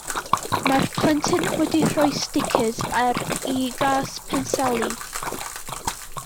Mae'r plentyn wedi rhoi sticers ar 'i gas penseli.